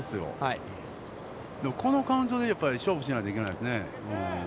このカウントでやっぱり勝負しないといけないですね。